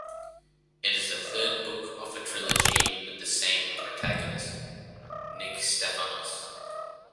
It is the third book of a trilogy with the same protagonist, Nick Stefanos.